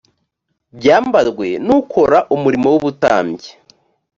byambarwe n ukora umurimo w ubutambyi